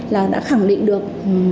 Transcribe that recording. là đã khẳng định được